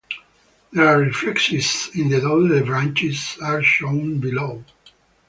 Their reflexes in the daughter branches are shown below.